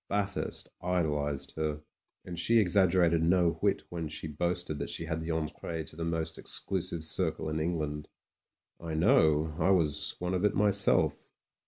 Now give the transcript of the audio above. Bathurst idolised her, and she exaggerated no whit when she boasted that she had the entree to the most exclusive circle in England. I know; I was one of it myself.